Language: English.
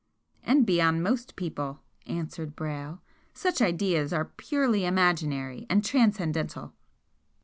"And beyond most people," answered Brayle "Such ideas are purely imaginary and transcendental."